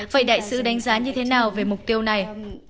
vậy đại sứ đánh giá như thế nào về mục tiêu này